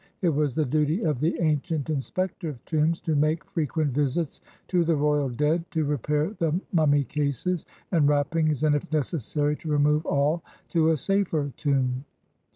It was the duty of the ancient "Inspector of Tombs" to make frequent visits to the royal dead, to repair the mummy cases and wrappings, and, if necessary, to remove all to a safer tomb.